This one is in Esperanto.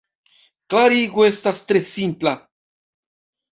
Klarigo estas tre simpla.